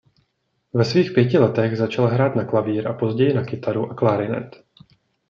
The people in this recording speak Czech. Ve svých pěti letech začal hrát na klavír a později na kytaru a klarinet.